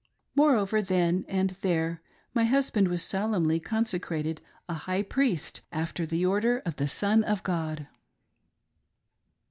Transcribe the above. Moreover, then and there, my husband was solemnly consecrated a " High Priest, after the Order of the Son of God."